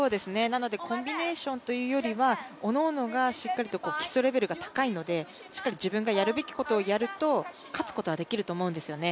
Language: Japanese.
コンビネーションというよりは、おのおのが基礎レベルが高いのでしっかり自分がやるべきことをやると勝つことはできると思うんですよね。